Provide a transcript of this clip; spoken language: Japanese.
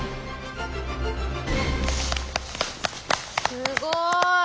すごい！